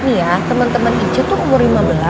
iya teman teman icah tuh umur lima belas